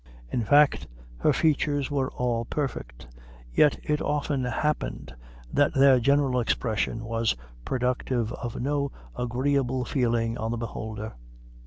In fact, her features were all perfect, yet it often happened that their general expression was productive of no agreeable feeling on the beholder.